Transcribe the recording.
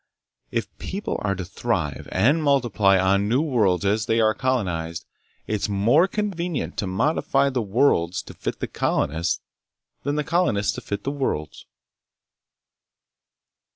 If people are to thrive and multiply on new worlds as they are colonized, it's more convenient to modify the worlds to fit the colonists than the colonists to fit the worlds.